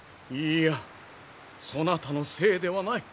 いいやそなたのせいではない。